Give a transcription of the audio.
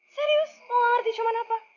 serius mau gak ngerti coman apa